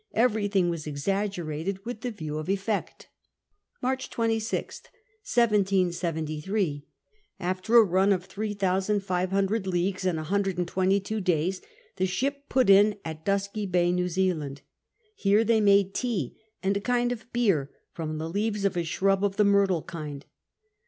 Everything was exaggerated with the view of eflect March 26/^, 1773. After a run of three thousand 100 CAPTAIN COON CHAP. five hundred leagues and a hundred and twenty two days the ship put in at Dusky Bay, New Zealand. Here they made tea — ^and a kind of beer — ^from the leaves of a shrub of the myrtle kind.